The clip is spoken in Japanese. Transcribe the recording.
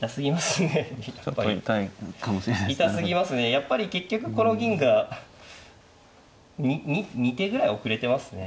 やっぱり結局この銀が２手ぐらい遅れてますね。